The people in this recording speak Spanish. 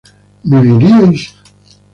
¿viviríais?